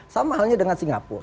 sama halnya dengan singapura